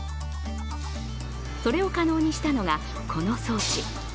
それを可能にしたのが、この装置。